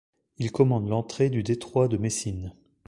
Il commande l'entrée du détroit de Messine.